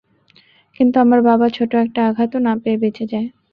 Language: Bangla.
কিন্তু আমার বাবা ছোট একটা আঘাতও না পেয়ে বেঁচে যায়।